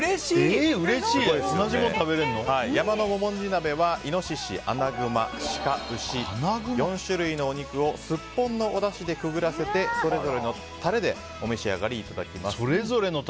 鍋はイノシシ、アナグマ、シカ、牛４種類のお肉をスッポンのおだしにくぐらせてそれぞれのタレでお召し上がりいただけます。